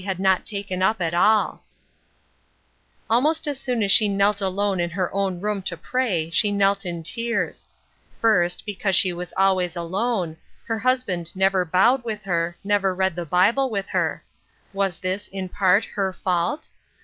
had not taken up at all. " Tliese Be Thy Godsr 895 Almost as often as she knelt alone in her own room to pray she knelt in tears. First,*because she was always alone ; her husband never bowed with her, never read the Bible with her. Was this, in part, her fault